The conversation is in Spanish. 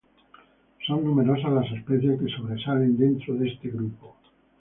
Son numerosas las especies que sobresalen dentro de este grupo.